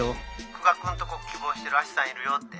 久我君とこ希望してるアシさんいるよって。